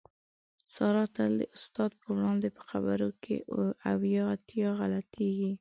ساره تل د استاد په وړاندې په خبرو کې اویا اتیا غلطېږي.